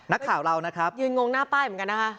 นักข่าวเรานะครับยืนงงหน้าป้ายเหมือนกันนะคะ